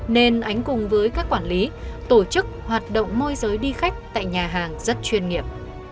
nên ánh cùng với các quản lý tổ chức hoạt động môi giới đi khách tại nhà hàng rất chuyên nghiệp